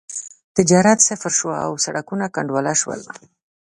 تجارت صفر شو او سړکونه کنډواله شول.